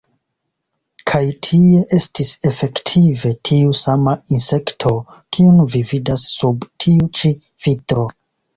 Kaj tie estis efektive tiu sama insekto, kiun vi vidas sub tiu ĉi vitro.